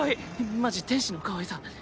マジ天使のかわいさ。